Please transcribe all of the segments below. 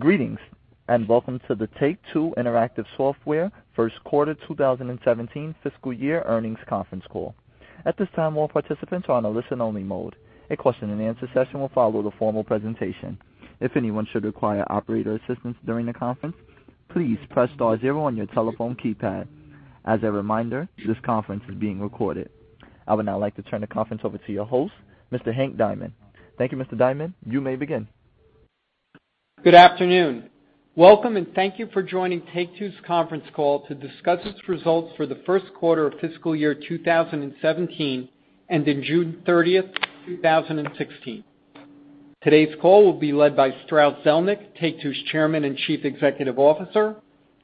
Greetings. Welcome to the Take-Two Interactive Software first quarter 2017 fiscal year earnings conference call. At this time, all participants are on a listen-only mode. A question and answer session will follow the formal presentation. If anyone should require operator assistance during the conference, please press star zero on your telephone keypad. As a reminder, this conference is being recorded. I would now like to turn the conference over to your host, Mr. Hank Diamond. Thank you, Mr. Diamond. You may begin. Good afternoon. Welcome. Thank you for joining Take-Two's conference call to discuss its results for the first quarter of fiscal year 2017 and in June 30th, 2016. Today's call will be led by Strauss Zelnick, Take-Two's Chairman and Chief Executive Officer,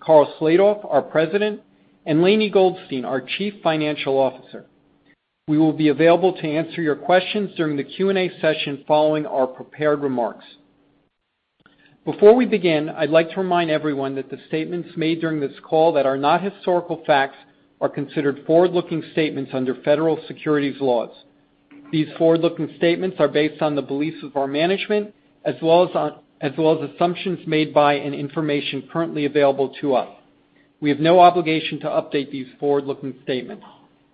Karl Slatoff, our President, and Lainie Goldstein, our Chief Financial Officer. We will be available to answer your questions during the Q&A session following our prepared remarks. Before we begin, I'd like to remind everyone that the statements made during this call that are not historical facts are considered forward-looking statements under federal securities laws. These forward-looking statements are based on the beliefs of our management as well as assumptions made by and information currently available to us. We have no obligation to update these forward-looking statements.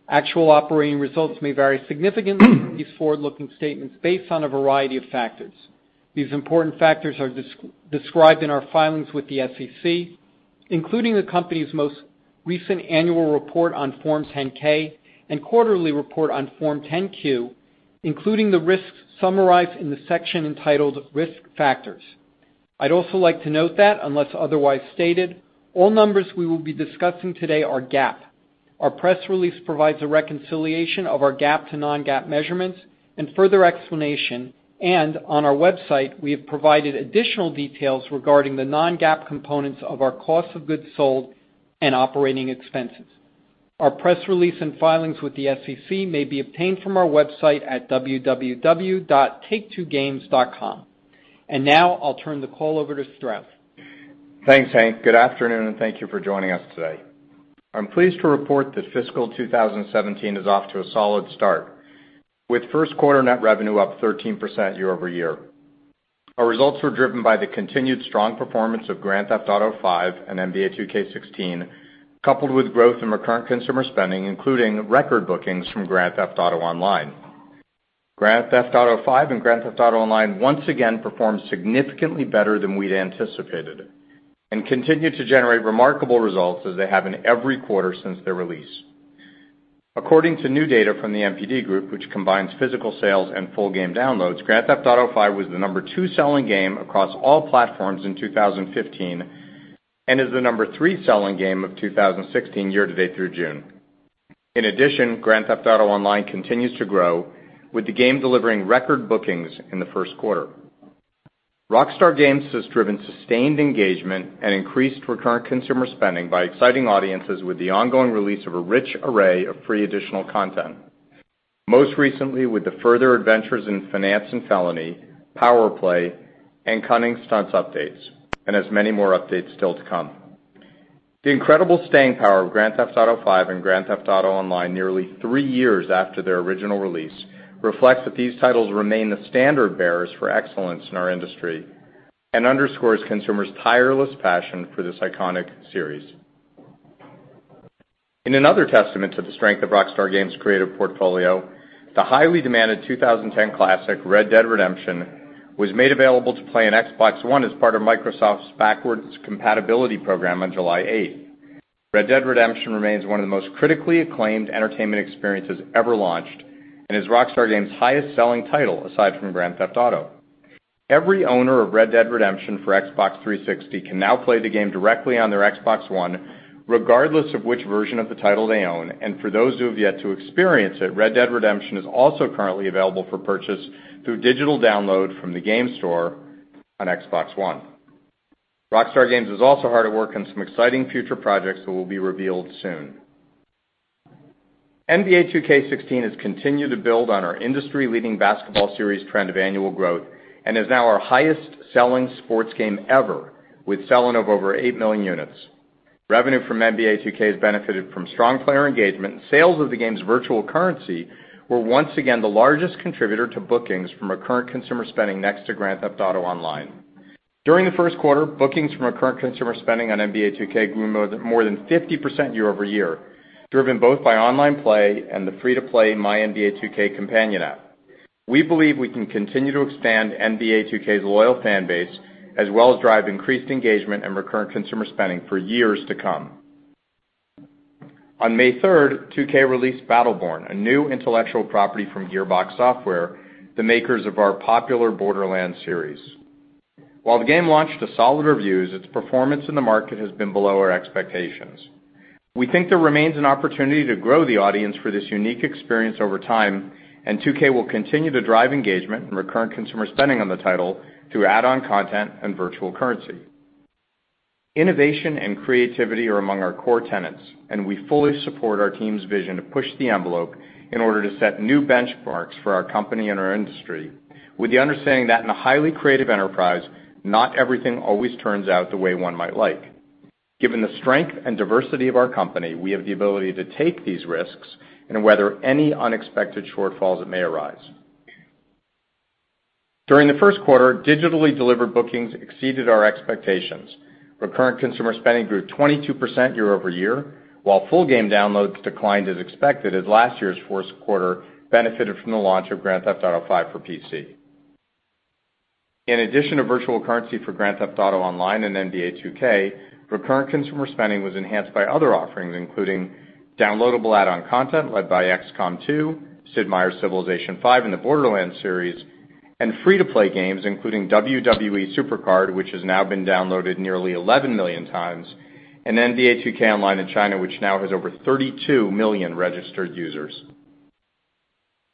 Actual operating results may vary significantly from these forward-looking statements based on a variety of factors. These important factors are described in our filings with the SEC, including the company's most recent annual report on Forms 10-K and quarterly report on Form 10-Q, including the risks summarized in the section entitled Risk Factors. I'd also like to note that unless otherwise stated, all numbers we will be discussing today are GAAP. Our press release provides a reconciliation of our GAAP to non-GAAP measurements and further explanation, and on our website, we have provided additional details regarding the non-GAAP components of our cost of goods sold and operating expenses. Our press release and filings with the SEC may be obtained from our website at www.take2games.com. Now I'll turn the call over to Strauss. Thanks, Hank. Good afternoon. Thank you for joining us today. I'm pleased to report that fiscal 2017 is off to a solid start, with first quarter net revenue up 13% year-over-year. Our results were driven by the continued strong performance of Grand Theft Auto V and NBA 2K16, coupled with growth in recurrent consumer spending, including record bookings from Grand Theft Auto Online. Grand Theft Auto V and Grand Theft Auto Online once again performed significantly better than we'd anticipated and continued to generate remarkable results as they have in every quarter since their release. According to new data from the NPD Group, which combines physical sales and full game downloads, Grand Theft Auto V was the number 2 selling game across all platforms in 2015, and is the number 3 selling game of 2016 year to date through June. In addition, Grand Theft Auto Online continues to grow, with the game delivering record bookings in the first quarter. Rockstar Games has driven sustained engagement and increased recurrent consumer spending by exciting audiences with the ongoing release of a rich array of free additional content, most recently with the Further Adventures in Finance and Felony, Power Play, and Cunning Stunts updates, and has many more updates still to come. The incredible staying power of Grand Theft Auto V and Grand Theft Auto Online nearly three years after their original release reflects that these titles remain the standard-bearers for excellence in our industry and underscores consumers' tireless passion for this iconic series. In another testament to the strength of Rockstar Games' creative portfolio, the highly demanded 2010 classic, Red Dead Redemption, was made available to play on Xbox One as part of Microsoft's backwards compatibility program on July 8th. Red Dead Redemption remains one of the most critically acclaimed entertainment experiences ever launched and is Rockstar Games' highest selling title aside from Grand Theft Auto. Every owner of Red Dead Redemption for Xbox 360 can now play the game directly on their Xbox One, regardless of which version of the title they own. For those who have yet to experience it, Red Dead Redemption is also currently available for purchase through digital download from the game store on Xbox One. Rockstar Games is also hard at work on some exciting future projects that will be revealed soon. NBA 2K16 has continued to build on our industry-leading basketball series trend of annual growth and is now our highest selling sports game ever, with sell-in of over eight million units. Revenue from NBA 2K has benefited from strong player engagement. Sales of the game's virtual currency were once again the largest contributor to bookings from recurrent consumer spending next to Grand Theft Auto Online. During the first quarter, bookings from recurrent consumer spending on NBA 2K grew more than 50% year-over-year, driven both by online play and the free-to-play MyNBA2K companion app. We believe we can continue to expand NBA 2K's loyal fan base, as well as drive increased engagement and recurrent consumer spending for years to come. On May 3rd, 2K released Battleborn, a new intellectual property from Gearbox Software, the makers of our popular Borderlands series. While the game launched to solid reviews, its performance in the market has been below our expectations. We think there remains an opportunity to grow the audience for this unique experience over time. 2K will continue to drive engagement and recurrent consumer spending on the title through add-on content and virtual currency. Innovation and creativity are among our core tenets. We fully support our team's vision to push the envelope in order to set new benchmarks for our company and our industry with the understanding that in a highly creative enterprise, not everything always turns out the way one might like. Given the strength and diversity of our company, we have the ability to take these risks and weather any unexpected shortfalls that may arise. During the first quarter, digitally delivered bookings exceeded our expectations. Recurrent consumer spending grew 22% year-over-year, while full game downloads declined as expected as last year's fourth quarter benefited from the launch of Grand Theft Auto V for PC. In addition to virtual currency for Grand Theft Auto Online and NBA 2K, recurrent consumer spending was enhanced by other offerings, including downloadable add-on content led by XCOM 2, Sid Meier's Civilization V, and the Borderlands series, and free-to-play games including WWE SuperCard, which has now been downloaded nearly 11 million times, and NBA 2K Online in China, which now has over 32 million registered users.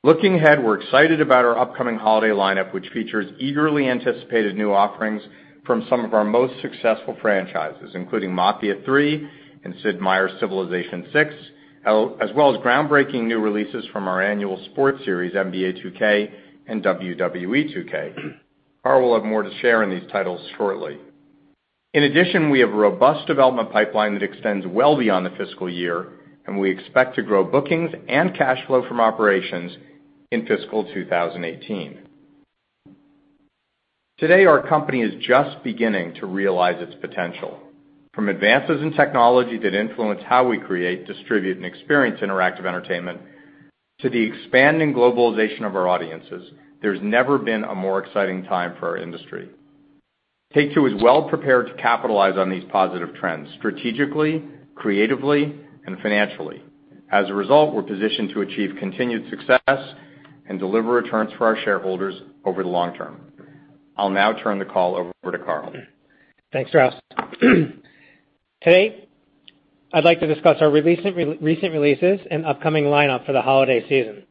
Looking ahead, we're excited about our upcoming holiday lineup, which features eagerly anticipated new offerings from some of our most successful franchises, including Mafia III and Sid Meier's Civilization VI, as well as groundbreaking new releases from our annual sports series, NBA 2K and WWE 2K. Karl will have more to share on these titles shortly. In addition, we have a robust development pipeline that extends well beyond the fiscal year, and we expect to grow bookings and cash flow from operations in fiscal 2018. Today, our company is just beginning to realize its potential. From advances in technology that influence how we create, distribute, and experience interactive entertainment to the expanding globalization of our audiences, there's never been a more exciting time for our industry. Take-Two is well-prepared to capitalize on these positive trends strategically, creatively, and financially. As a result, we're positioned to achieve continued success and deliver returns for our shareholders over the long term. I'll now turn the call over to Karl. Thanks, Strauss. Today, I'd like to discuss our recent releases and upcoming lineup for the holiday season.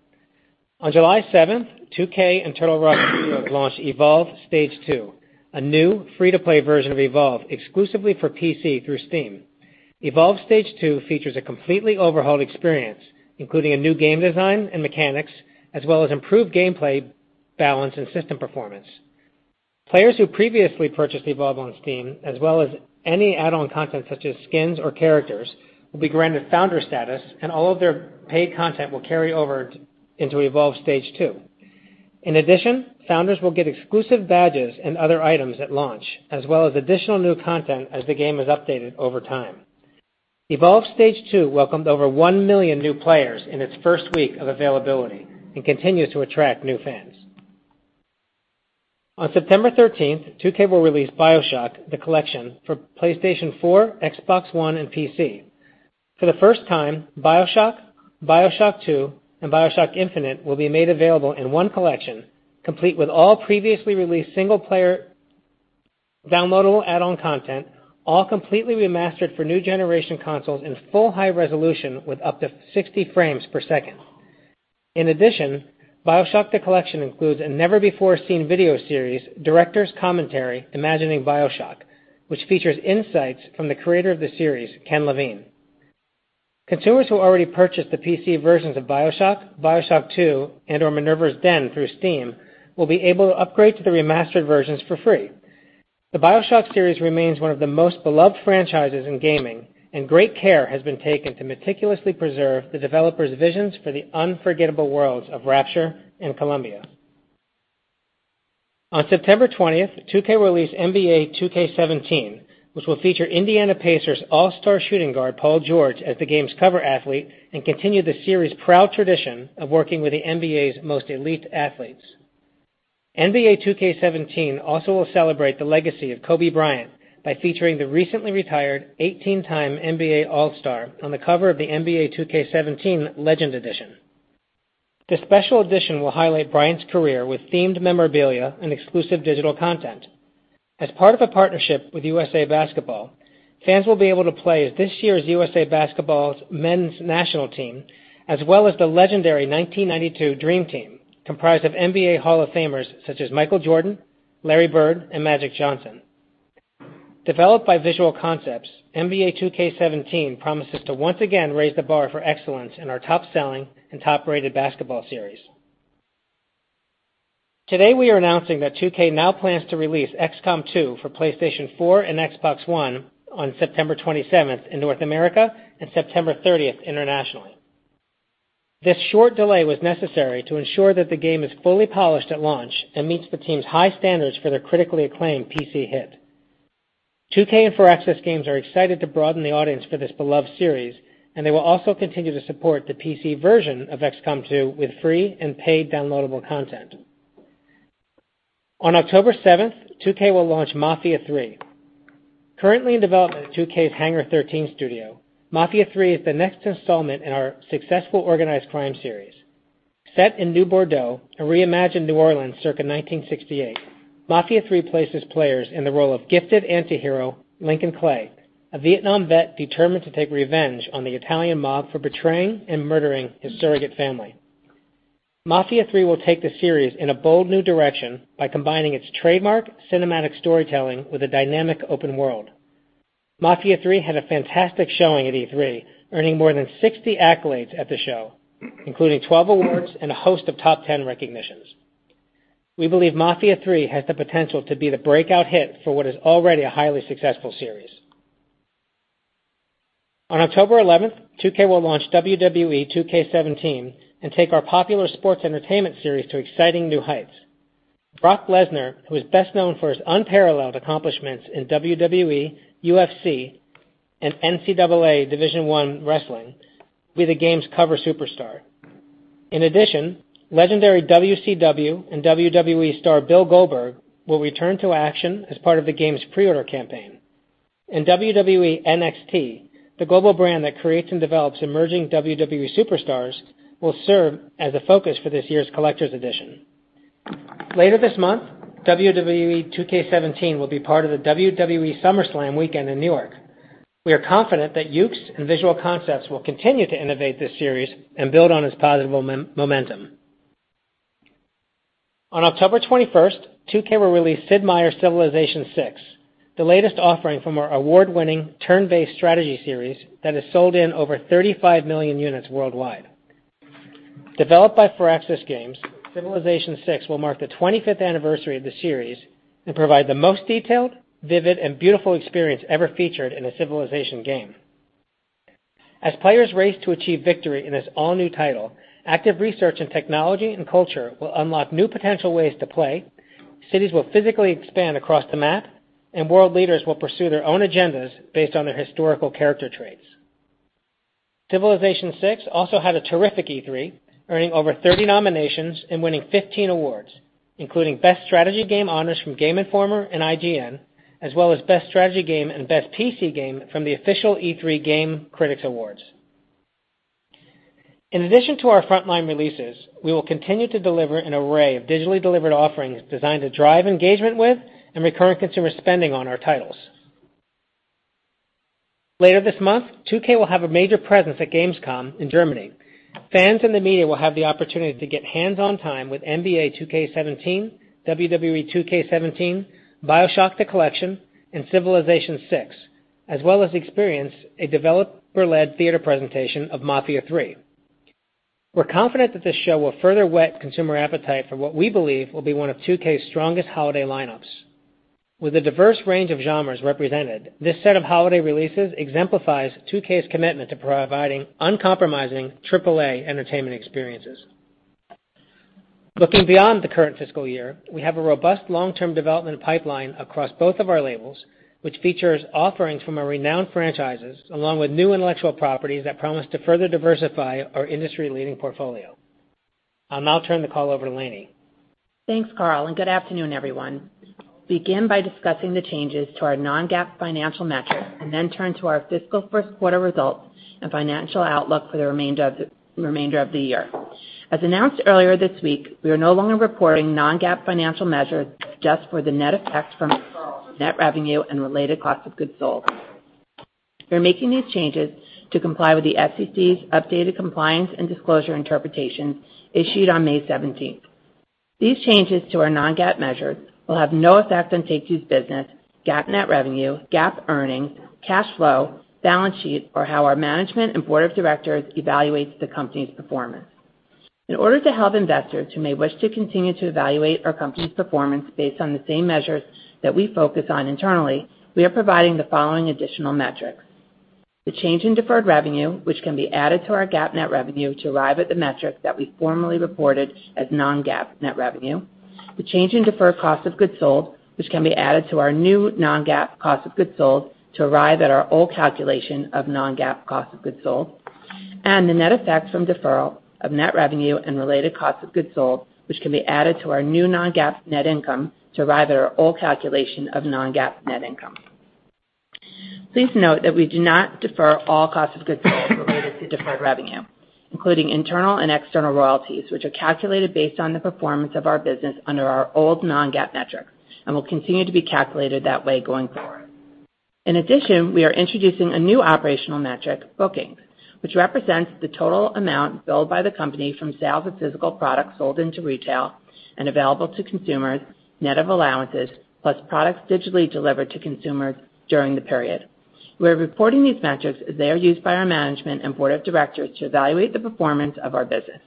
On July seventh, 2K and Turtle Rock Studios launched Evolve Stage 2, a new free-to-play version of Evolve exclusively for PC through Steam. Evolve Stage 2 features a completely overhauled experience, including a new game design and mechanics as well as improved gameplay balance and system performance. Players who previously purchased Evolve on Steam, as well as any add-on content such as skins or characters, will be granted founder status, and all of their paid content will carry over into Evolve Stage 2. In addition, founders will get exclusive badges and other items at launch, as well as additional new content as the game is updated over time. Evolve Stage 2 welcomed over one million new players in its first week of availability and continues to attract new fans. On September 13th, 2K will release BioShock: The Collection for PlayStation 4, Xbox One, and PC. For the first time, BioShock 2, and BioShock Infinite will be made available in one collection, complete with all previously released single-player downloadable add-on content, all completely remastered for new generation consoles in full high resolution with up to 60 frames per second. In addition, BioShock: The Collection includes a never-before-seen video series, Director's Commentary: Imagining BioShock, which features insights from the creator of the series, Ken Levine. Consumers who already purchased the PC versions of BioShock 2, and/or Minerva's Den through Steam will be able to upgrade to the remastered versions for free. The BioShock series remains one of the most beloved franchises in gaming, and great care has been taken to meticulously preserve the developers' visions for the unforgettable worlds of Rapture and Columbia. On September 20th, 2K will release NBA 2K17, which will feature Indiana Pacers all-star shooting guard Paul George as the game's cover athlete and continue the series' proud tradition of working with the NBA's most elite athletes. NBA 2K17 also will celebrate the legacy of Kobe Bryant by featuring the recently retired 18-time NBA all-star on the cover of the NBA 2K17 Legend Edition. This special edition will highlight Bryant's career with themed memorabilia and exclusive digital content. As part of a partnership with USA Basketball, fans will be able to play as this year's USA Basketball Men's National Team, as well as the legendary 1992 Dream Team, comprised of NBA Hall of Famers such as Michael Jordan, Larry Bird, and Magic Johnson. Developed by Visual Concepts, NBA 2K17 promises to once again raise the bar for excellence in our top-selling and top-rated basketball series. Today, we are announcing that 2K now plans to release XCOM 2 for PlayStation 4 and Xbox One on September 27th in North America and September 30th internationally. This short delay was necessary to ensure that the game is fully polished at launch and meets the team's high standards for their critically acclaimed PC hit. They will also continue to support the PC version of XCOM 2 with free and paid downloadable content. On October seventh, 2K will launch Mafia III. Currently in development at 2K's Hangar 13 Studio, Mafia III is the next installment in our successful organized crime series. Set in New Bordeaux, a reimagined New Orleans circa 1968, Mafia III places players in the role of gifted antihero Lincoln Clay, a Vietnam vet determined to take revenge on the Italian mob for betraying and murdering his surrogate family. Mafia III will take the series in a bold new direction by combining its trademark cinematic storytelling with a dynamic open world. Mafia III had a fantastic showing at E3, earning more than 60 accolades at the show, including 12 awards and a host of top 10 recognitions. We believe Mafia III has the potential to be the breakout hit for what is already a highly successful series. On October 11th, 2K will launch WWE 2K17 and take our popular sports entertainment series to exciting new heights. Brock Lesnar, who is best known for his unparalleled accomplishments in WWE, UFC, and NCAA Division I wrestling, will be the game's cover superstar. In addition, legendary WCW and WWE star Bill Goldberg will return to action as part of the game's pre-order campaign. WWE NXT, the global brand that creates and develops emerging WWE superstars, will serve as a focus for this year's collector's edition. Later this month, WWE 2K17 will be part of the WWE SummerSlam weekend in New York. We are confident that Yuke's and Visual Concepts will continue to innovate this series and build on its positive momentum. On October 21st, 2K will release Sid Meier's Civilization VI, the latest offering from our award-winning turn-based strategy series that has sold in over 35 million units worldwide. Developed by Firaxis Games, Civilization VI will mark the 25th anniversary of the series and provide the most detailed, vivid, and beautiful experience ever featured in a Civilization game. As players race to achieve victory in this all-new title, active research in technology and culture will unlock new potential ways to play, cities will physically expand across the map, and world leaders will pursue their own agendas based on their historical character traits. Civilization VI also had a terrific E3, earning over 30 nominations and winning 15 awards, including Best Strategy Game honors from Game Informer and IGN, as well as Best Strategy Game and Best PC Game from the official E3 Game Critics Awards. In addition to our frontline releases, we will continue to deliver an array of digitally delivered offerings designed to drive engagement with and recurring consumer spending on our titles. Later this month, 2K will have a major presence at gamescom in Germany. Fans in the media will have the opportunity to get hands-on time with NBA 2K17, WWE 2K17, BioShock: The Collection, and Civilization VI, as well as experience a developer-led theater presentation of Mafia III. We're confident that this show will further whet consumer appetite for what we believe will be one of 2K's strongest holiday lineups. With a diverse range of genres represented, this set of holiday releases exemplifies 2K's commitment to providing uncompromising AAA entertainment experiences. Looking beyond the current fiscal year, we have a robust long-term development pipeline across both of our labels, which features offerings from our renowned franchises, along with new intellectual properties that promise to further diversify our industry-leading portfolio. I'll now turn the call over to Lainie. Thanks, Karl, good afternoon, everyone. I'll begin by discussing the changes to our non-GAAP financial metrics, then turn to our fiscal first quarter results and financial outlook for the remainder of the year. As announced earlier this week, we are no longer reporting non-GAAP financial measures just for the net effect from net revenue and related cost of goods sold. We're making these changes to comply with the SEC's updated compliance and disclosure interpretation issued on May 17th. These changes to our non-GAAP measures will have no effect on Take-Two's business, GAAP net revenue, GAAP earnings, cash flow, balance sheet, or how our management and board of directors evaluates the company's performance. In order to help investors who may wish to continue to evaluate our company's performance based on the same measures that we focus on internally, we are providing the following additional metrics. The change in deferred revenue, which can be added to our GAAP net revenue to arrive at the metric that we formerly reported as non-GAAP net revenue. The change in deferred cost of goods sold, which can be added to our new non-GAAP cost of goods sold to arrive at our old calculation of non-GAAP cost of goods sold. The net effect from deferral of net revenue and related cost of goods sold, which can be added to our new non-GAAP net income to arrive at our old calculation of non-GAAP net income. Please note that we do not defer all costs of goods sold related to deferred revenue, including internal and external royalties, which are calculated based on the performance of our business under our old non-GAAP metric and will continue to be calculated that way going forward. In addition, we are introducing a new operational metric, bookings, which represents the total amount billed by the company from sales of physical products sold into retail and available to consumers, net of allowances, plus products digitally delivered to consumers during the period. We're reporting these metrics as they are used by our management and board of directors to evaluate the performance of our business.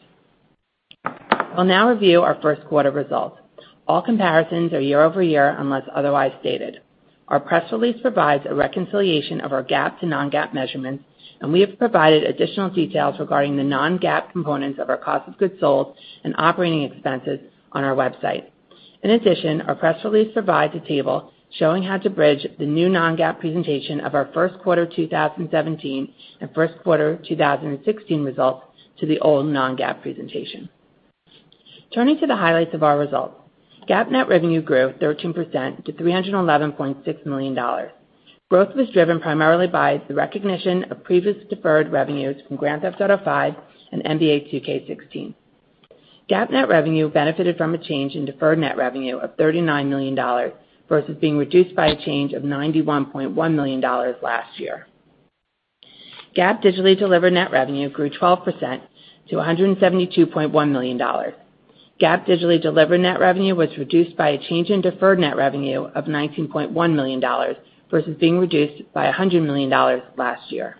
I'll now review our first quarter results. All comparisons are year-over-year, unless otherwise stated. Our press release provides a reconciliation of our GAAP to non-GAAP measurements, and we have provided additional details regarding the non-GAAP components of our cost of goods sold and operating expenses on our website. In addition, our press release provides a table showing how to bridge the new non-GAAP presentation of our first quarter 2017 and first quarter 2016 results to the old non-GAAP presentation. Turning to the highlights of our results. GAAP net revenue grew 13% to $311.6 million. Growth was driven primarily by the recognition of previously deferred revenues from Grand Theft Auto V and NBA 2K16. GAAP net revenue benefited from a change in deferred net revenue of $39 million, versus being reduced by a change of $91.1 million last year. GAAP digitally delivered net revenue grew 12% to $172.1 million. GAAP digitally delivered net revenue was reduced by a change in deferred net revenue of $19.1 million, versus being reduced by $100 million last year.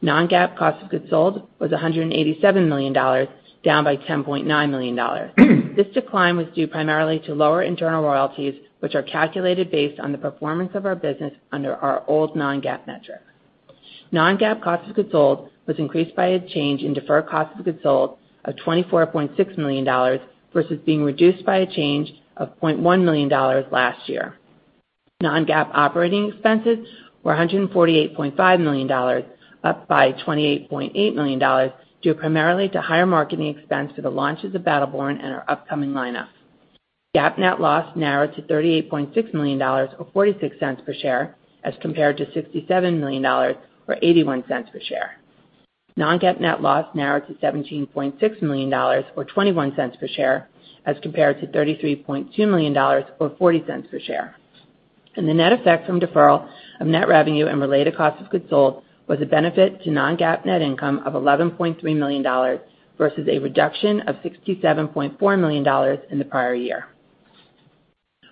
Non-GAAP cost of goods sold was $187 million, down by $10.9 million. This decline was due primarily to lower internal royalties, which are calculated based on the performance of our business under our old non-GAAP metric. Non-GAAP cost of goods sold was increased by a change in deferred cost of goods sold of $24.6 million versus being reduced by a change of $0.1 million last year. Non-GAAP operating expenses were $148.5 million, up by $28.8 million due primarily to higher marketing expense for the launches of Battleborn and our upcoming lineup. GAAP net loss narrowed to $38.6 million, or $0.46 per share, as compared to $67 million or $0.81 per share. Non-GAAP net loss narrowed to $17.6 million or $0.21 per share as compared to $33.2 million or $0.40 per share. The net effect from deferral of net revenue and related cost of goods sold was a benefit to non-GAAP net income of $11.3 million versus a reduction of $67.4 million in the prior year.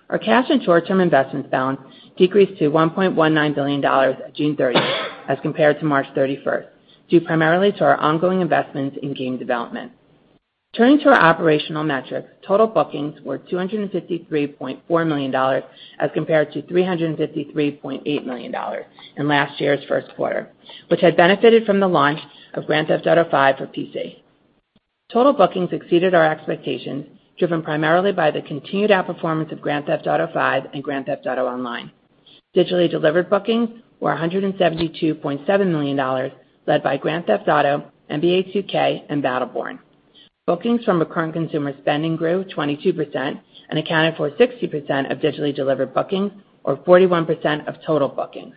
Our cash and short-term investments balance decreased to $1.19 billion at June 30th as compared to March 31st, due primarily to our ongoing investments in game development. Turning to our operational metrics, total bookings were $253.4 million as compared to $353.8 million in last year's first quarter, which had benefited from the launch of Grand Theft Auto V for PC. Total bookings exceeded our expectations, driven primarily by the continued outperformance of Grand Theft Auto V and Grand Theft Auto Online. Digitally delivered bookings were $172.7 million, led by Grand Theft Auto, NBA 2K, and Battleborn. Bookings from recurring consumer spending grew 22% and accounted for 60% of digitally delivered bookings or 41% of total bookings.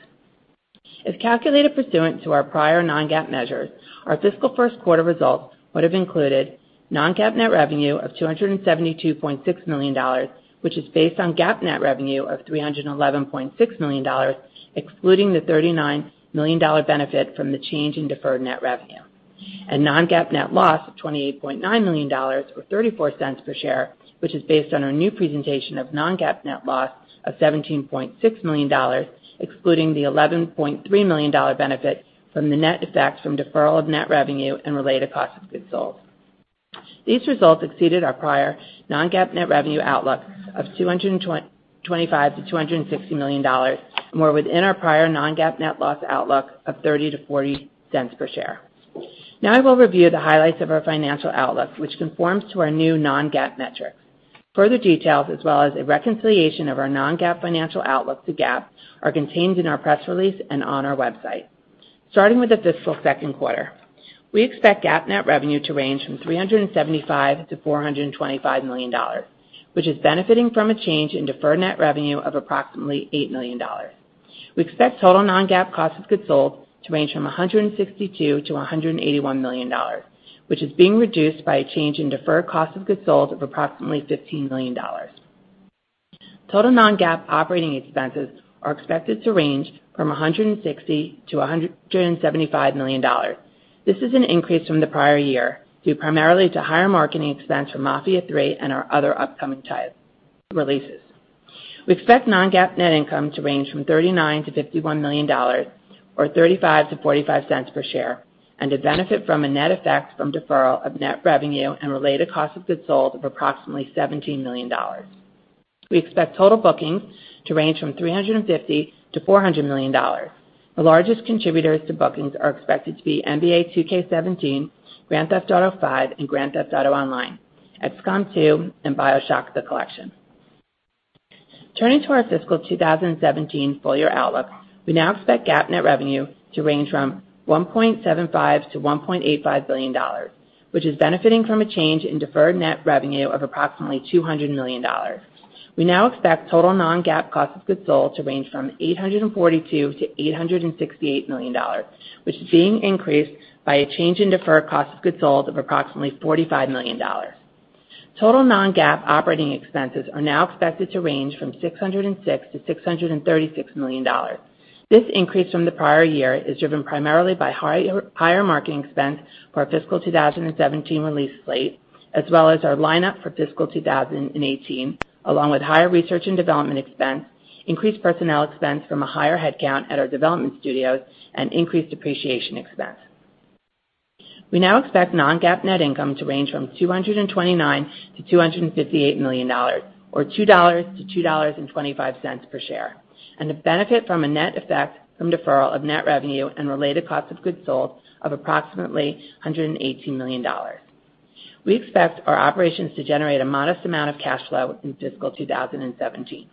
If calculated pursuant to our prior non-GAAP measures, our fiscal first quarter results would have included non-GAAP net revenue of $272.6 million, which is based on GAAP net revenue of $311.6 million, excluding the $39 million benefit from the change in deferred net revenue. Non-GAAP net loss of $28.9 million or $0.34 per share, which is based on our new presentation of non-GAAP net loss of $17.6 million, excluding the $11.3 million benefit from the net effect from deferral of net revenue and related cost of goods sold. These results exceeded our prior non-GAAP net revenue outlook of $225 million to $260 million and were within our prior non-GAAP net loss outlook of $0.30-$0.40 per share. I will review the highlights of our financial outlook, which conforms to our new non-GAAP metrics. Further details as well as a reconciliation of our non-GAAP financial outlook to GAAP are contained in our press release and on our website. With the fiscal second quarter, we expect GAAP net revenue to range from $375 million to $425 million, which is benefiting from a change in deferred net revenue of approximately $8 million. We expect total non-GAAP cost of goods sold to range from $162 million to $181 million, which is being reduced by a change in deferred cost of goods sold of approximately $15 million. Total non-GAAP operating expenses are expected to range from $160 million to $175 million. An increase from the prior year due primarily to higher marketing expense for "Mafia III" and our other upcoming title releases. We expect non-GAAP net income to range from $39 million to $51 million or $0.35-$0.45 per share, and to benefit from a net effect from deferral of net revenue and related cost of goods sold of approximately $17 million. We expect total bookings to range from $350 million to $400 million. The largest contributors to bookings are expected to be "NBA 2K17," "Grand Theft Auto V" and "Grand Theft Auto Online," "XCOM 2," and "BioShock: The Collection." To our fiscal 2017 full year outlook, we now expect GAAP net revenue to range from $1.75 billion to $1.85 billion, which is benefiting from a change in deferred net revenue of approximately $200 million. We now expect total non-GAAP cost of goods sold to range from $842 million to $868 million, which is being increased by a change in deferred cost of goods sold of approximately $45 million. Total non-GAAP operating expenses are now expected to range from $606 million to $636 million. An increase from the prior year is driven primarily by higher marketing expense for our fiscal 2017 release slate as well as our lineup for fiscal 2018, along with higher research and development expense, increased personnel expense from a higher headcount at our development studios, and increased depreciation expense. We now expect non-GAAP net income to range from $229 million to $258 million, or $2 to $2.25 per share, and to benefit from a net effect from deferral of net revenue and related cost of goods sold of approximately $118 million. We expect our operations to generate a modest amount of cash flow in fiscal 2017.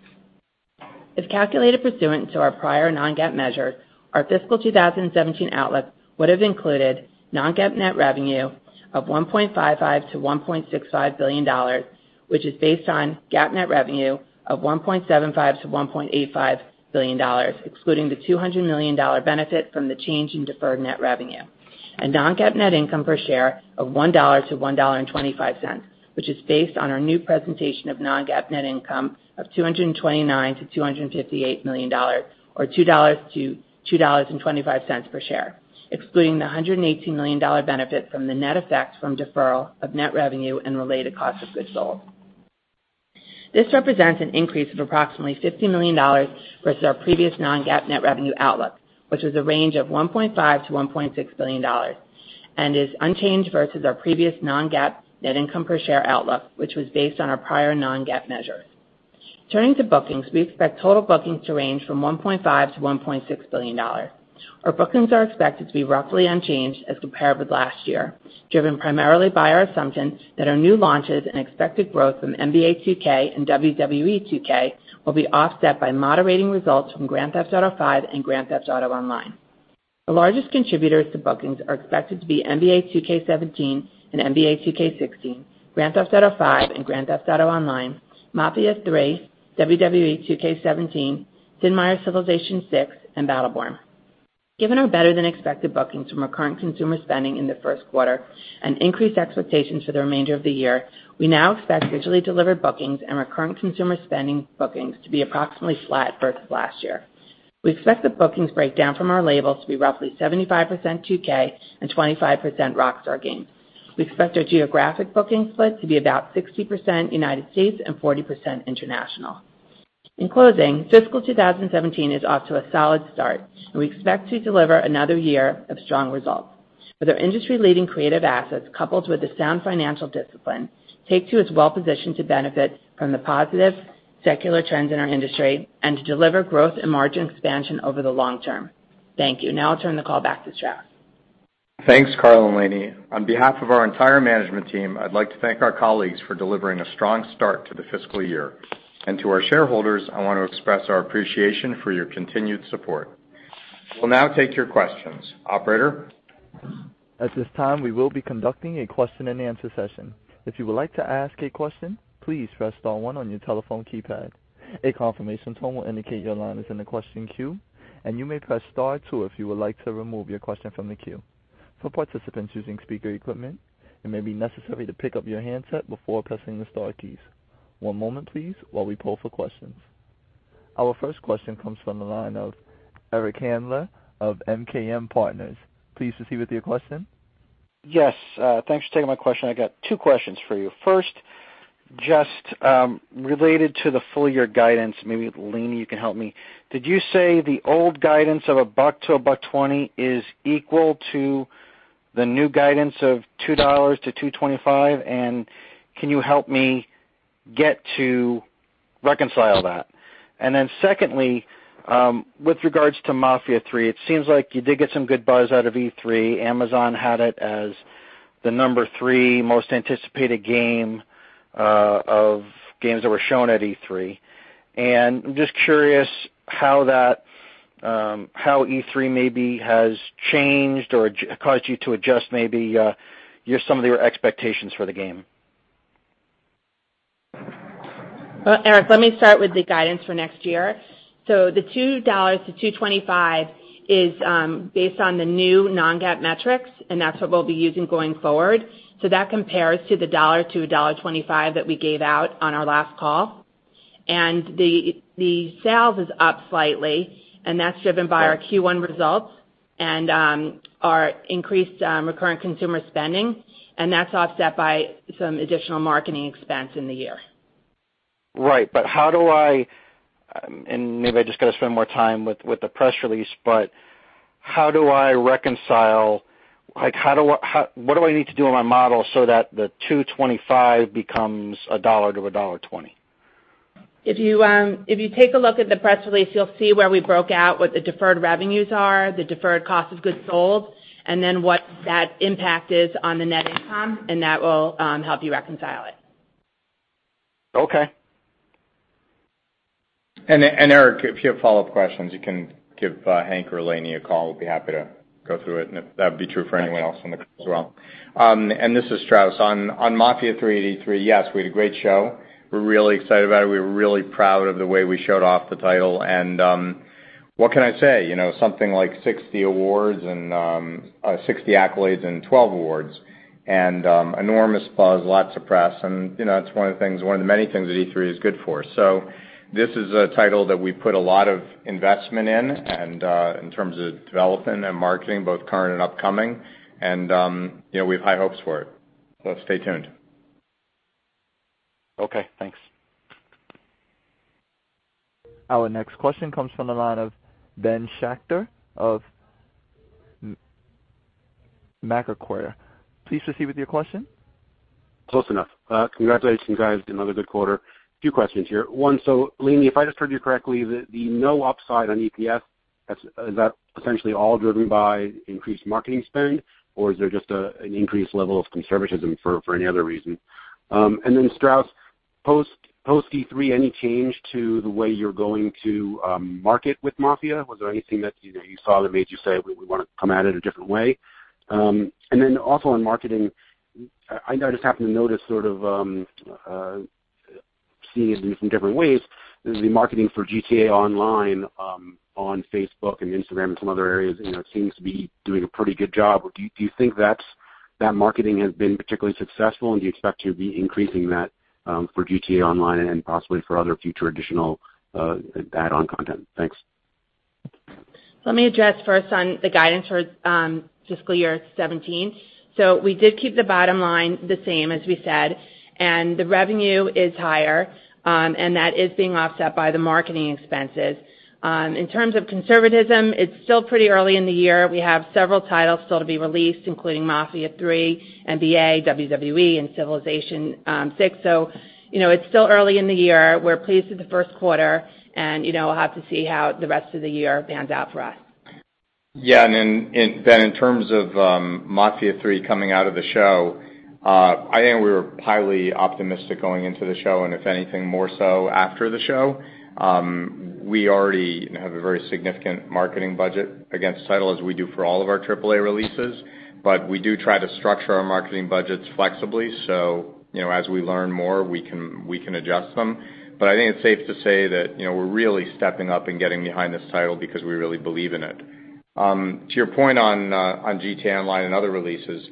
If calculated pursuant to our prior non-GAAP measures, our fiscal 2017 outlook would have included non-GAAP net revenue of $1.55 billion-$1.65 billion, which is based on GAAP net revenue of $1.75 billion-$1.85 billion, excluding the $200 million benefit from the change in deferred net revenue. Non-GAAP net income per share of $1-$1.25, which is based on our new presentation of non-GAAP net income of $229 million-$258 million, or $2-$2.25 per share, excluding the $118 million benefit from the net effect from deferral of net revenue and related cost of goods sold. This represents an increase of approximately $50 million versus our previous non-GAAP net revenue outlook, which was a range of $1.5 billion-$1.6 billion and is unchanged versus our previous non-GAAP net income per share outlook, which was based on our prior non-GAAP measures. Turning to bookings, we expect total bookings to range from $1.5 billion-$1.6 billion. Our bookings are expected to be roughly unchanged as compared with last year, driven primarily by our assumption that our new launches and expected growth from "NBA 2K" and "WWE 2K" will be offset by moderating results from "Grand Theft Auto V" and "Grand Theft Auto Online." The largest contributors to bookings are expected to be "NBA 2K17" and "NBA 2K16," "Grand Theft Auto V" and "Grand Theft Auto Online," "Mafia III," "WWE 2K17," "Sid Meier's Civilization VI," and "Battleborn." Given our better-than-expected bookings from recurring consumer spending in the first quarter and increased expectations for the remainder of the year, we now expect digitally delivered bookings and recurring consumer spending bookings to be approximately flat versus last year. We expect the bookings breakdown from our labels to be roughly 75% 2K and 25% Rockstar Games. We expect our geographic booking split to be about 60% U.S. and 40% international. In closing, fiscal 2017 is off to a solid start, and we expect to deliver another year of strong results. With our industry-leading creative assets coupled with a sound financial discipline, Take-Two is well-positioned to benefit from the positive secular trends in our industry and to deliver growth and margin expansion over the long term. Thank you. Now I will turn the call back to Strauss. Thanks, Karl and Lainie. On behalf of our entire management team, I would like to thank our colleagues for delivering a strong start to the fiscal year. To our shareholders, I want to express our appreciation for your continued support. We will now take your questions. Operator? At this time, we will be conducting a question-and-answer session. If you would like to ask a question, please press star one on your telephone keypad. A confirmation tone will indicate your line is in the question queue, and you may press star two if you would like to remove your question from the queue. For participants using speaker equipment, it may be necessary to pick up your handset before pressing the star keys. One moment, please, while we poll for questions. Our first question comes from the line of Eric Handler of MKM Partners. Please proceed with your question. Yes. Thanks for taking my question. I got two questions for you. First, just related to the full-year guidance, maybe Lainie, you can help me. Did you say the old guidance of $1 to $1.20 is equal to the new guidance of $2 to $2.25? Can you help me get to reconcile that? Secondly, with regards to Mafia III, it seems like you did get some good buzz out of E3. Amazon had it as the number 3 most anticipated game of games that were shown at E3. I'm just curious how E3 maybe has changed or caused you to adjust maybe some of your expectations for the game. Eric, let me start with the guidance for next year. The $2 to $2.25 is based on the new non-GAAP metrics, and that's what we'll be using going forward. That compares to the $1 to $1.25 that we gave out on our last call. The sales is up slightly, and that's driven by our Q1 results and our increased recurring consumer spending, and that's offset by some additional marketing expense in the year. Right. Maybe I just got to spend more time with the press release, but how do I reconcile what do I need to do on my model so that the $2.25 becomes $1 to $1.20? If you take a look at the press release, you'll see where we broke out what the deferred revenues are, the deferred cost of goods sold, and then what that impact is on the net income, and that will help you reconcile it. Okay. Eric Handler, if you have follow-up questions, you can give Hank Diamond or Lainie Goldstein a call. We'll be happy to go through it, and that would be true for anyone else on the call as well. This is Strauss Zelnick. On Mafia III at E3, yes, we had a great show. We're really excited about it. We're really proud of the way we showed off the title. What can I say? Something like 60 accolades and 12 awards, and enormous buzz, lots of press, and it's one of the many things that E3 is good for. This is a title that we put a lot of investment in, and in terms of development and marketing, both current and upcoming, and we have high hopes for it. Stay tuned. Okay, thanks. Our next question comes from the line of Ben Schachter of Macquarie. Please proceed with your question. Close enough. Congratulations, guys. Another good quarter. Two questions here. One, Lainie, if I just heard you correctly, the no upside on EPS, is that essentially all driven by increased marketing spend, or is there just an increased level of conservatism for any other reason? Strauss, post E3, any change to the way you're going to market with Mafia? Was there anything that you saw that made you say we want to come at it a different way? Also on marketing, I just happened to notice sort of seeing it from different ways, the marketing for GTA Online on Facebook and Instagram and some other areas, it seems to be doing a pretty good job. Do you think that marketing has been particularly successful, and do you expect to be increasing that for GTA Online and possibly for other future additional add-on content? Thanks. Let me address first on the guidance for fiscal year 2017. We did keep the bottom line the same, as we said, and the revenue is higher, and that is being offset by the marketing expenses. In terms of conservatism, it's still pretty early in the year. We have several titles still to be released, including Mafia III, NBA, WWE, and Civilization VI. It's still early in the year. We're pleased with the first quarter, and we'll have to see how the rest of the year pans out for us. Yeah. In terms of Mafia III coming out of the show, I think we were highly optimistic going into the show, and if anything, more so after the show. We already have a very significant marketing budget against the title as we do for all of our AAA releases. We do try to structure our marketing budgets flexibly, so as we learn more, we can adjust them. I think it's safe to say that we're really stepping up and getting behind this title because we really believe in it. To your point on GTA Online and other releases,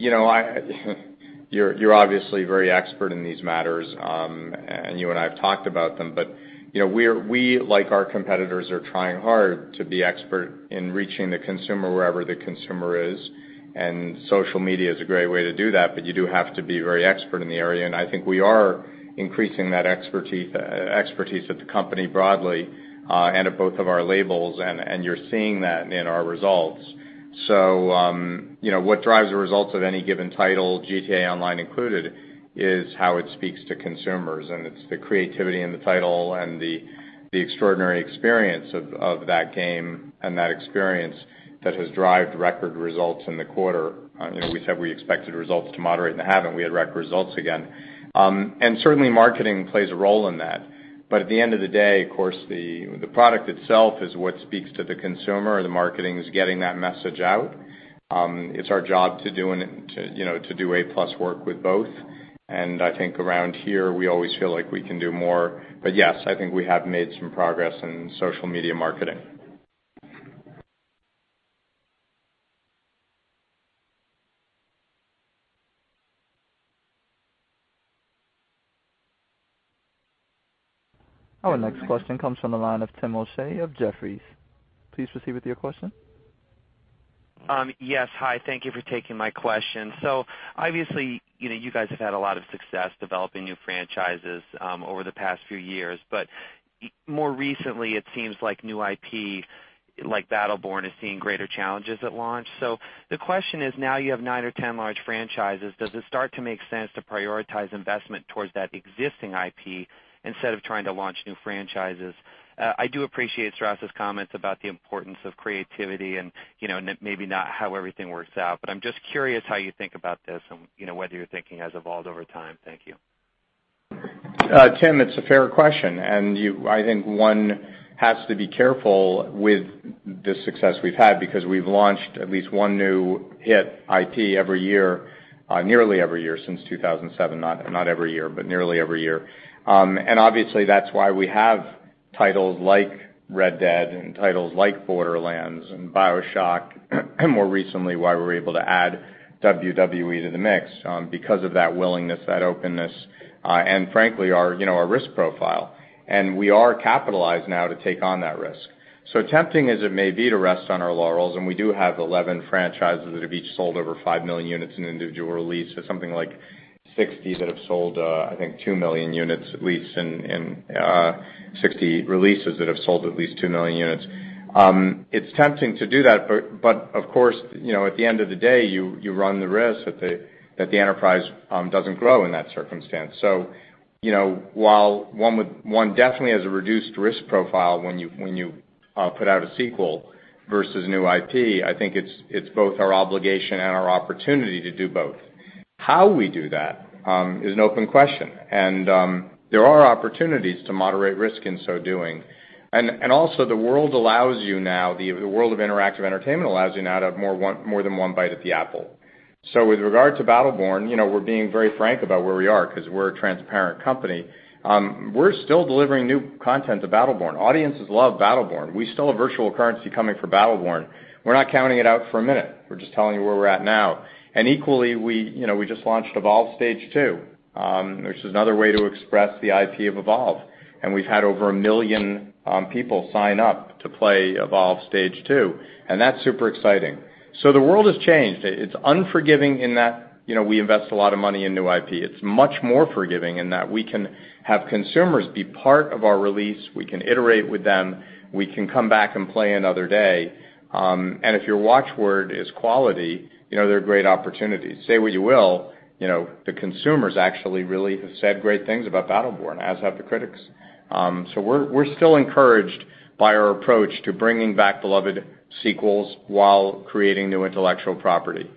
you're obviously very expert in these matters, and you and I have talked about them. We, like our competitors, are trying hard to be expert in reaching the consumer wherever the consumer is, and social media is a great way to do that, but you do have to be very expert in the area. I think we are increasing that expertise at the company broadly, and at both of our labels, and you're seeing that in our results. What drives the results of any given title, GTA Online included, is how it speaks to consumers, and it's the creativity in the title and the extraordinary experience of that game and that experience that has drived record results in the quarter. We said we expected results to moderate and haven't. We had record results again. Certainly, marketing plays a role in that. At the end of the day, of course, the product itself is what speaks to the consumer. The marketing is getting that message out. It's our job to do A+ work with both, and I think around here, we always feel like we can do more. Yes, I think we have made some progress in social media marketing. Our next question comes from the line of Tim O'Shea of Jefferies. Please proceed with your question. Yes. Hi, thank you for taking my question. Obviously, you guys have had a lot of success developing new franchises over the past few years. More recently, it seems like new IP, like "Battleborn," is seeing greater challenges at launch. The question is, now you have nine or 10 large franchises, does it start to make sense to prioritize investment towards that existing IP instead of trying to launch new franchises? I do appreciate Strauss' comments about the importance of creativity and maybe not how everything works out, I'm just curious how you think about this and whether your thinking has evolved over time. Thank you. Tim, it's a fair question, I think one has to be careful with the success we've had because we've launched at least one new hit IP every year, nearly every year since 2007, not every year, but nearly every year. Obviously, that's why we have titles like "Red Dead" and titles like "Borderlands" and "BioShock," more recently, why we were able to add "WWE" to the mix, because of that willingness, that openness, and frankly, our risk profile. We are capitalized now to take on that risk. Tempting as it may be to rest on our laurels, and we do have 11 franchises that have each sold over five million units in individual releases, something like 60 that have sold, I think, two million units, at least in 60 releases that have sold at least two million units. It's tempting to do that, but of course, at the end of the day, you run the risk that the enterprise doesn't grow in that circumstance. While one definitely has a reduced risk profile when you put out a sequel versus new IP, I think it's both our obligation and our opportunity to do both. How we do that is an open question, there are opportunities to moderate risk in so doing. The world allows you now, the world of interactive entertainment allows you now to have more than one bite at the apple. With regard to Battleborn, we're being very frank about where we are because we're a transparent company. We're still delivering new content to Battleborn. Audiences love Battleborn. We still have virtual currency coming for Battleborn. We're not counting it out for a minute. We're just telling you where we're at now. Equally, we just launched Evolve Stage 2, which is another way to express the IP of Evolve, we've had over a million people sign up to play Evolve Stage 2, that's super exciting. The world has changed. It's unforgiving in that we invest a lot of money in new IP. It's much more forgiving in that we can have consumers be part of our release. We can iterate with them. We can come back and play another day. If your watch word is quality, there are great opportunities. Say what you will, the consumers actually really have said great things about Battleborn, as have the critics. We're still encouraged by our approach to bringing back beloved sequels while creating new intellectual property.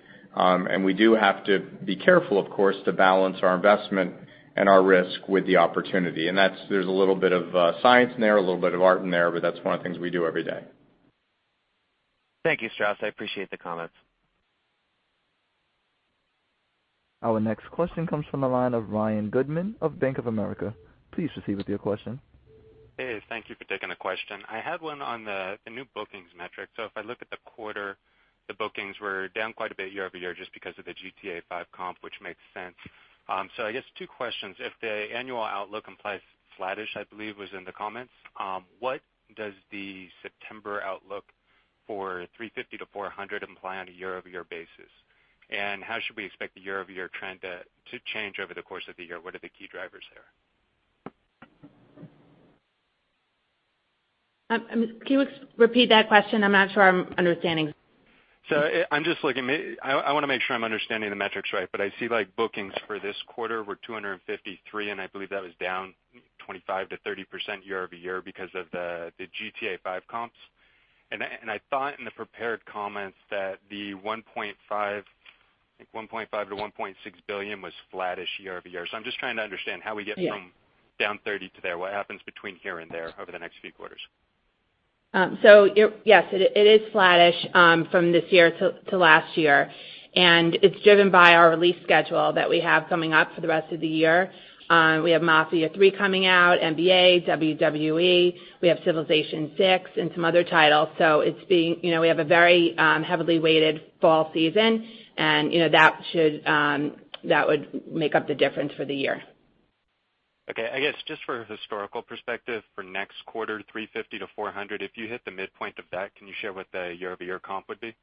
We do have to be careful, of course, to balance our investment and our risk with the opportunity. There's a little bit of science in there, a little bit of art in there, but that's one of the things we do every day. Thank you, Strauss. I appreciate the comments. Our next question comes from the line of Ryan Goodman of Bank of America. Please proceed with your question. Hey, thank you for taking the question. I had one on the new bookings metric. If I look at the quarter, the bookings were down quite a bit year-over-year just because of the GTA V comp, which makes sense. I guess two questions. If the annual outlook implies flattish, I believe was in the comments, what does the September outlook for $350-$400 imply on a year-over-year basis? How should we expect the year-over-year trend to change over the course of the year? What are the key drivers there? Can you repeat that question? I'm not sure I'm understanding. I want to make sure I'm understanding the metrics right. I see bookings for this quarter were $253, and I believe that was down 25%-30% year-over-year because of the GTA V comps. I thought in the prepared comments that the $1.5 billion-$1.6 billion was flattish year-over-year. I'm just trying to understand how we get from. Yeah down 30 to there. What happens between here and there over the next few quarters? Yes, it is flattish from this year to last year. It's driven by our release schedule that we have coming up for the rest of the year. We have Mafia III coming out, NBA, WWE, we have Civilization VI and some other titles. We have a very heavily weighted fall season, and that would make up the difference for the year. Okay. I guess just for historical perspective, for next quarter, $350-$400, if you hit the midpoint of that, can you share what the year-over-year comp would be?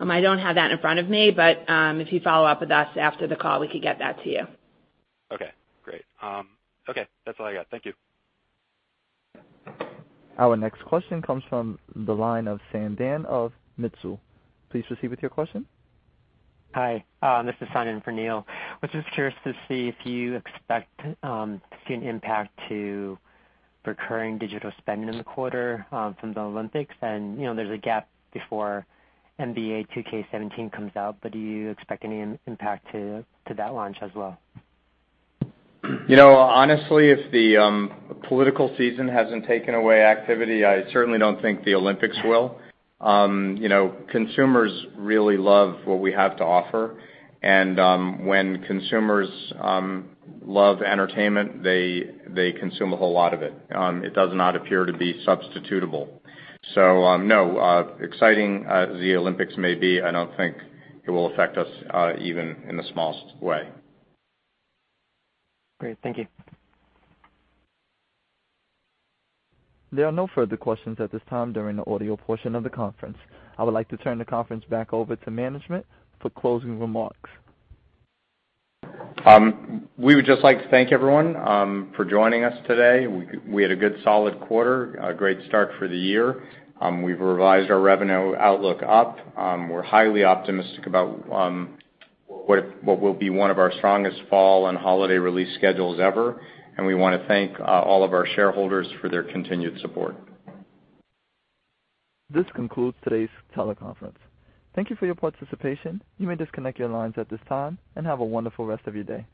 I don't have that in front of me, if you follow up with us after the call, we could get that to you. Okay, great. Okay, that's all I got. Thank you. Our next question comes from the line of Sandan of Mizuho. Please proceed with your question. Hi, this is Sandan for Neil. Was just curious to see if you expect to see an impact to recurring digital spending in the quarter from the Olympics. There's a gap before NBA 2K17 comes out, but do you expect any impact to that launch as well? Honestly, if the political season hasn't taken away activity, I certainly don't think the Olympics will. Consumers really love what we have to offer, and when consumers love entertainment, they consume a whole lot of it. It does not appear to be substitutable. No. Exciting as the Olympics may be, I don't think it will affect us even in the smallest way. Great. Thank you. There are no further questions at this time during the audio portion of the conference. I would like to turn the conference back over to management for closing remarks. We would just like to thank everyone for joining us today. We had a good solid quarter, a great start for the year. We've revised our revenue outlook up. We're highly optimistic about what will be one of our strongest fall and holiday release schedules ever, and we want to thank all of our shareholders for their continued support. This concludes today's teleconference. Thank you for your participation. You may disconnect your lines at this time. Have a wonderful rest of your day.